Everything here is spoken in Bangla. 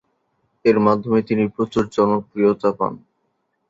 এর মাধ্যমে তিনি প্রচুর জনপ্রিয়তা পান।